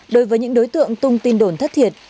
đối với những đối tượng tung tin đồn thất thiệt